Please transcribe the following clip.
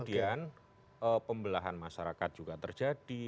dan pembelahan masyarakat juga terjadi